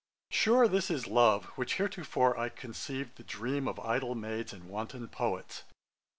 'Sure this is love, which heretofore I conceived the dream of idle maids, and wanton poets.'